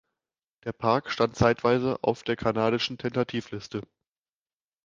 Der Park stand zeitweise auf der kanadischen Tentativliste.